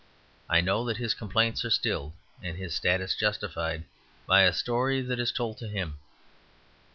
I know that his complaints are stilled, and his status justified, by a story that is told to him.